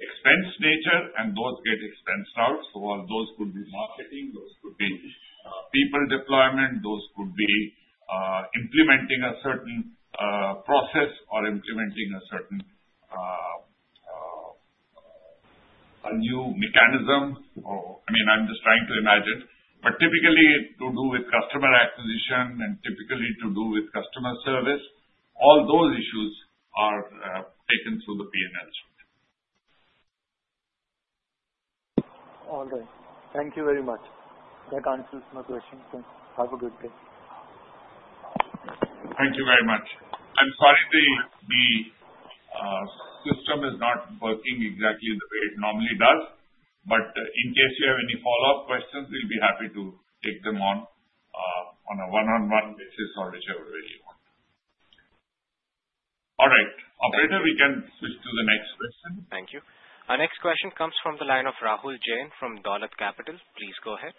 expense nature, and those get expensed out. Those could be marketing. Those could be people deployment. Those could be implementing a certain process or implementing a new mechanism. I mean, I'm just trying to imagine. Typically, to do with customer acquisition and typically to do with customer service, all those issues are taken through the P&L stream. All right. Thank you very much. That answers my question. Thanks. Have a good day. Thank you very much. I'm sorry, the system is not working exactly the way it normally does. In case you have any follow-up questions, we'll be happy to take them on a one-on-one basis or whichever way you want. All right. Operator, we can switch to the next question. Thank you. Our next question comes from the line of Rahul Jain from Dolat Capital. Please go ahead.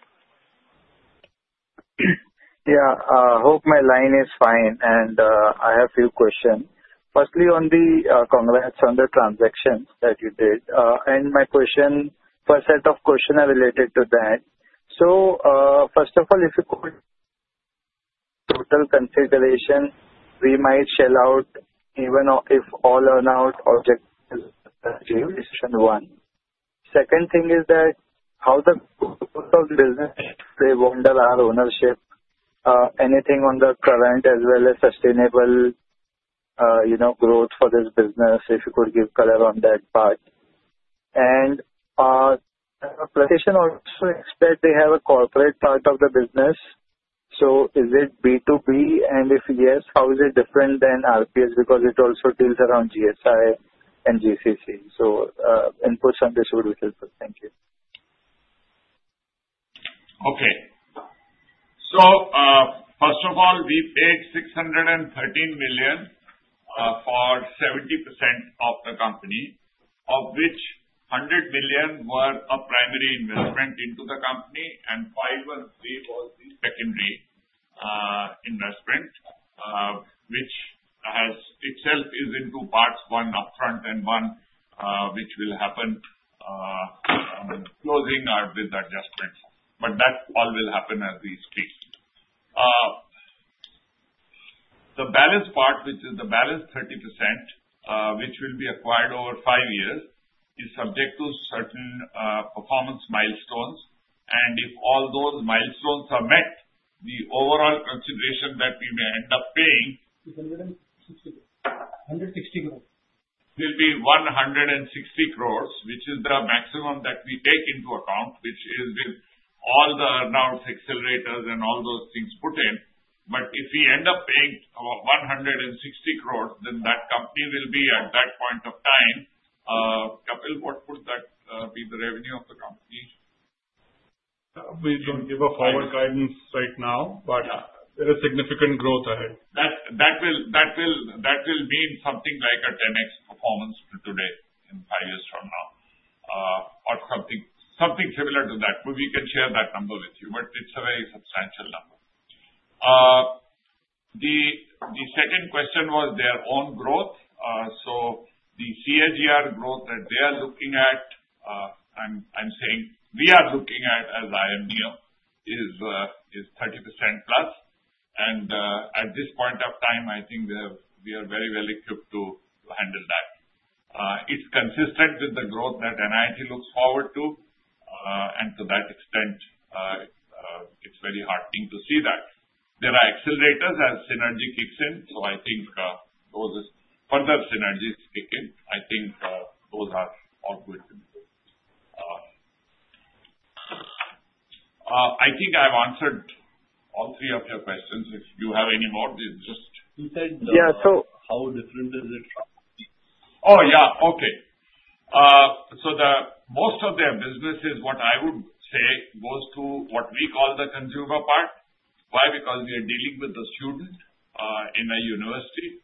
Yeah. I hope my line is fine, and I have a few questions. Firstly, on the transactions that you did, and my first set of questions are related to that. First of all, if you could total consideration, we might shell out even if all earn-out objective decision one. Second thing is that how the business will handle our ownership, anything on the current as well as sustainable growth for this business, if you could give color on that part. Our application also expects they have a corporate part of the business. Is it B2B? If yes, how is it different than RPS because it also deals around GSI and GCC? Inputs on this would be helpful. Thank you. Okay. First of all, we paid 613 million for 70% of the company, of which 100 million were a primary investment into the company, and 513 million was the secondary investment, which itself is in two parts, one upfront and one which will happen at closing or with adjustment. That all will happen as we speak. The balance part, which is the balance 30%, which will be acquired over five years, is subject to certain performance milestones. If all those milestones are met, the overall consideration that we may end up paying will be 160 crore, which is the maximum that we take into account, which is with all the earn-out accelerators and all those things put in. If we end up paying 160 crores, then that company will be at that point of time. Kapil, what would be the revenue of the company? We don't give a forward guidance right now, but there is significant growth ahead. That will mean something like a 10x performance today in five years from now or something similar to that. We can share that number with you, but it's a very substantial number. The second question was their own growth. So the CAGR growth that they are looking at, I'm saying we are looking at as iamneo, is 30%+. And at this point of time, I think we are very well equipped to handle that. It's consistent with the growth that NIIT looks forward to. To that extent, it's very heartening to see that. There are accelerators as synergy kicks in. I think those further synergies kick in. I think those are all good. I think I've answered all three of your questions. If you have any more, just. You said. Yeah. So. How different is it from? Oh, yeah. Okay. Most of their businesses, what I would say, goes to what we call the consumer part. Why? Because we are dealing with the student in a university.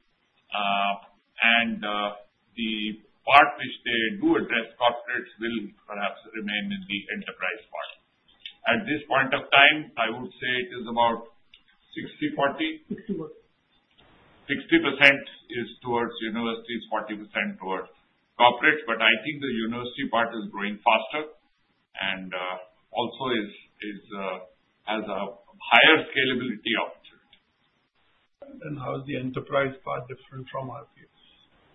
The part which they do address corporates will perhaps remain in the enterprise part. At this point of time, I would say it is about 60/40. 60% is towards universities, 40% towards corporates. I think the university part is growing faster and also has a higher scalability opportunity. How is the enterprise part different from RPS?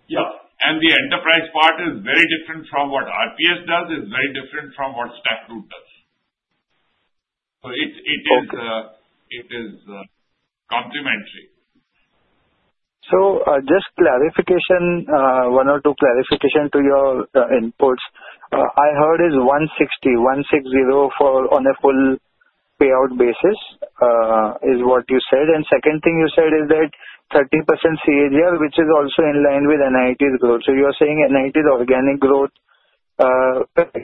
Yeah. The enterprise part is very different from what RPS does. It is very different from what StackRoute does. It is complementary. Just clarification, one or two clarifications to your inputs. I heard is 160, 160 on a full payout basis is what you said. Second thing you said is that 30% CAGR, which is also in line with NIIT's growth. You're saying NIIT's organic growth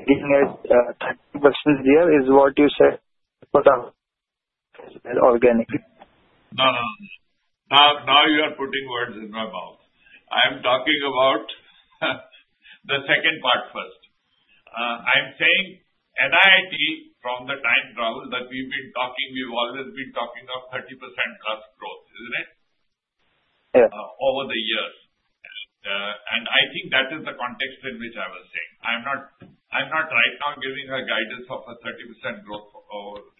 being at 30% year is what you said for the organic. Now you are putting words in my mouth. I am talking about the second part first. I'm saying NIIT, from the time travel that we've been talking, we've always been talking of 30%+ growth, isn't it? Over the years. I think that is the context in which I was saying. I'm not right now giving a guidance of a 30% growth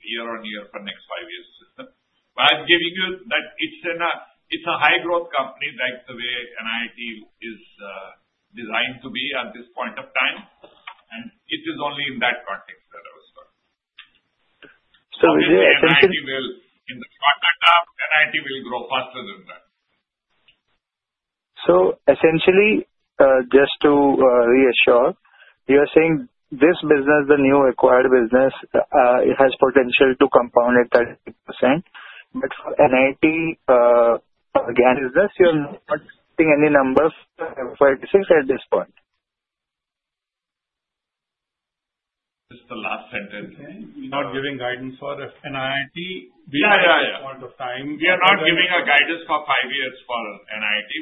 year-on-year for next five years. I'm giving you that it's a high-growth company like the way NIIT is designed to be at this point of time. It is only in that context that I was talking. NIIT will, in the short term, NIIT will grow faster than that. Essentially, just to reassure, you're saying this business, the new acquired business, it has potential to compound at 30%. For NIIT, again, business, you're not seeing any numbers for at this point. This is the last sentence. We're not giving guidance for NIIT at this point of time. We are not giving a guidance for five years for NIIT.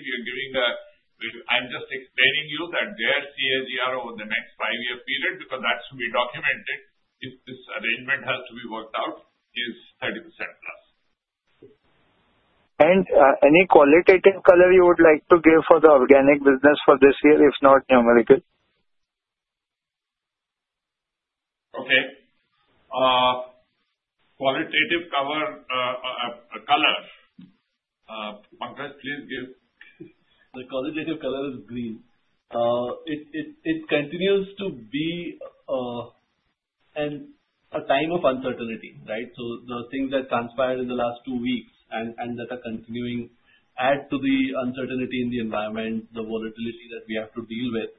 I'm just explaining you that their CAGR over the next five-year period, because that's to be documented, if this arrangement has to be worked out, is 30%+. Any qualitative color you would like to give for the organic business for this year, if not numerical? Okay. Qualitative color, Pankaj, please give. The qualitative color is green. It continues to be a time of uncertainty, right? The things that transpired in the last two weeks and that are continuing add to the uncertainty in the environment, the volatility that we have to deal with.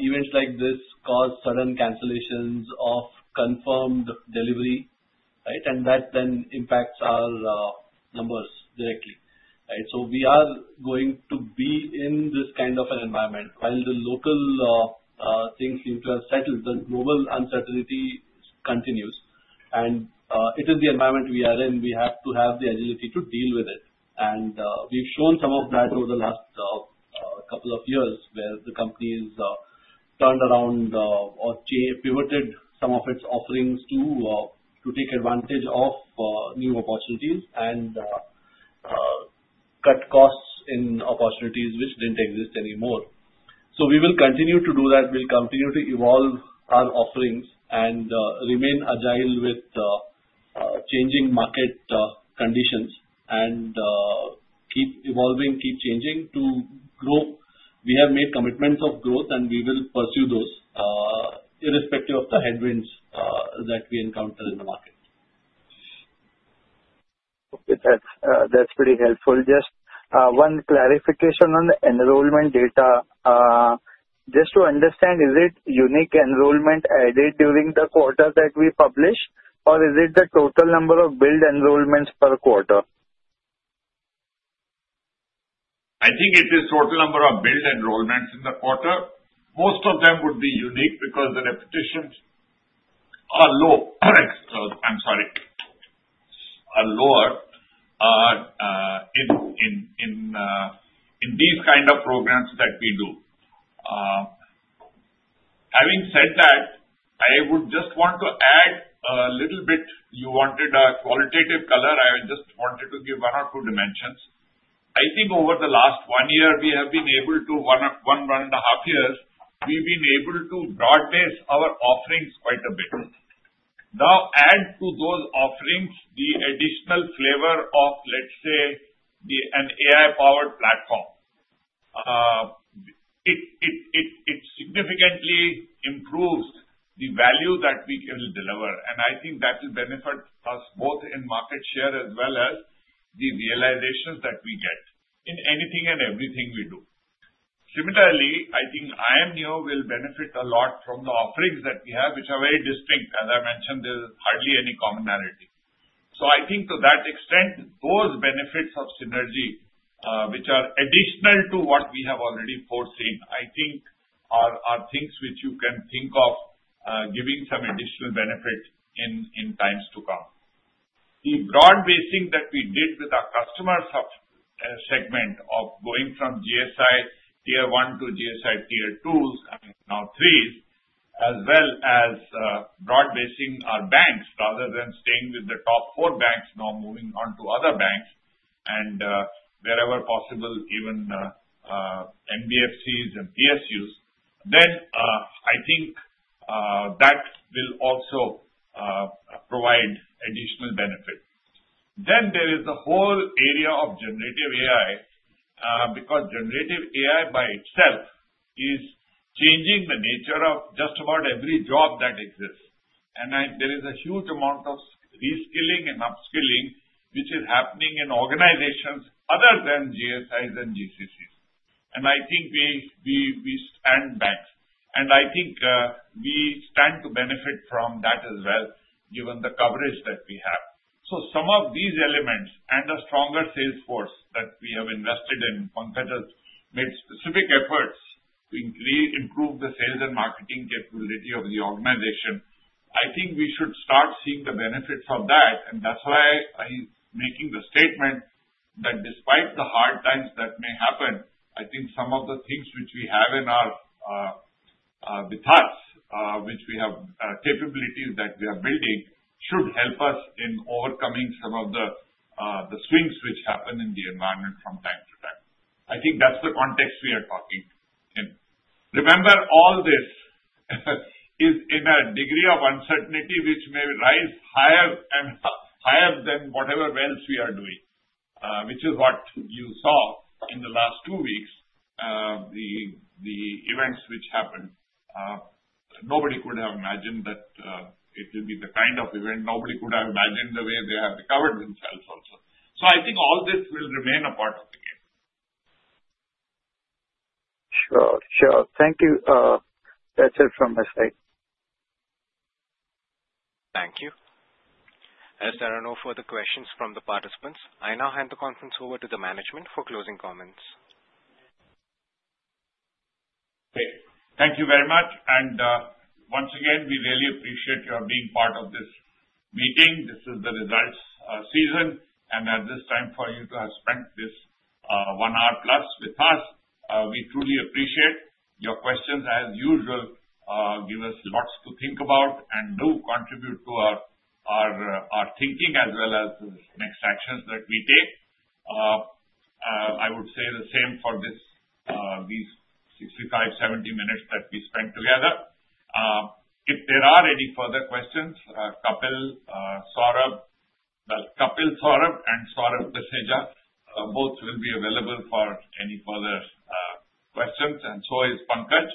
Events like this cause sudden cancellations of confirmed delivery, right? That then impacts our numbers directly, right? We are going to be in this kind of an environment. While the local things seem to have settled, the global uncertainty continues. It is the environment we are in. We have to have the agility to deal with it. We have shown some of that over the last couple of years where the company has turned around or pivoted some of its offerings to take advantage of new opportunities and cut costs in opportunities which did not exist anymore. We will continue to do that. We'll continue to evolve our offerings and remain agile with changing market conditions and keep evolving, keep changing to grow. We have made commitments of growth, and we will pursue those irrespective of the headwinds that we encounter in the market. Okay. That's very helpful. Just one clarification on the enrollment data. Just to understand, is it unique enrollment added during the quarter that we publish, or is it the total number of billed enrollments per quarter? I think it is total number of billed enrollments in the quarter. Most of them would be unique because the repetitions are low. I'm sorry. Are lower in these kind of programs that we do. Having said that, I would just want to add a little bit. You wanted a qualitative color. I just wanted to give one or two dimensions. I think over the last one year, we have been able to, one and a half years, we've been able to broadcast our offerings quite a bit. Now, add to those offerings the additional flavor of, let's say, an AI-powered platform. It significantly improves the value that we can deliver. I think that will benefit us both in market share as well as the realizations that we get in anything and everything we do. Similarly, I think iamneo will benefit a lot from the offerings that we have, which are very distinct. As I mentioned, there is hardly any commonality. I think to that extent, those benefits of synergy, which are additional to what we have already foreseen, are things which you can think of giving some additional benefit in times to come. The broad basing that we did with our customer segment of going from GSI Tier 1 to GSI Tier 2s, now threes, as well as broad basing our banks rather than staying with the top four banks, now moving on to other banks and wherever possible, even NBFCs and PSUs. I think that will also provide additional benefit. There is the whole area of generative AI because generative AI by itself is changing the nature of just about every job that exists. There is a huge amount of reskilling and upskilling which is happening in organizations other than GSIs and GCCs. I think we stand back. I think we stand to benefit from that as well, given the coverage that we have. Some of these elements and a stronger salesforce that we have invested in, Pankaj has made specific efforts to improve the sales and marketing capability of the organization. I think we should start seeing the benefits of that. That is why I am making the statement that despite the hard times that may happen, I think some of the things which we have with us, which we have capabilities that we are building, should help us in overcoming some of the swings which happen in the environment from time to time. I think that is the context we are talking in. Remember, all this is in a degree of uncertainty which may rise higher than whatever else we are doing, which is what you saw in the last two weeks, the events which happened. Nobody could have imagined that it would be the kind of event. Nobody could have imagined the way they have recovered themselves also. I think all this will remain a part of the game. Sure. Sure. Thank you. That's it from my side. Thank you. As there are no further questions from the participants, I now hand the conference over to the management for closing comments. Great. Thank you very much. Once again, we really appreciate your being part of this meeting. This is the results season. At this time, for you to have spent this one hour plus with us, we truly appreciate your questions. As usual, you give us lots to think about and do contribute to our thinking as well as the next actions that we take. I would say the same for these 65-70 minutes that we spent together. If there are any further questions, Kapil Saurabh and Saurabh Taneja, both will be available for any further questions. Pankaj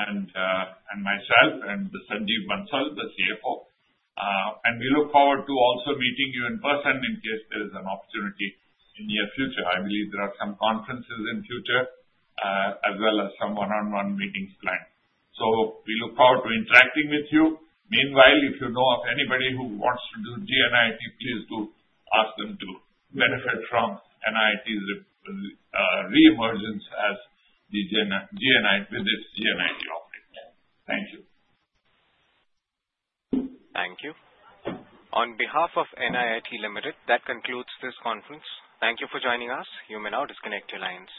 and myself and Sanjeev Bansal, the CFO, are also available. We look forward to also meeting you in person in case there is an opportunity in the near future. I believe there are some conferences in the future as well as some one-on-one meetings planned. We look forward to interacting with you. Meanwhile, if you know of anybody who wants to do gNIIT, please do ask them to benefit from NIIT's reemergence with its gNIIT offering. Thank you. Thank you. On behalf of NIIT Limited, that concludes this conference. Thank you for joining us. You may now disconnect your lines.